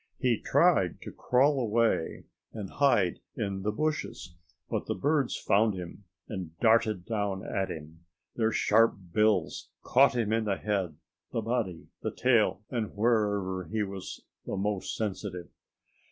He tried to crawl away and hide in the bushes, but the birds found him and darted down at him. Their sharp bills caught him in the head, the body, the tail, and wherever he was the most sensitive.